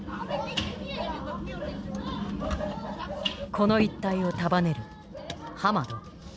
この一帯を束ねるハマド。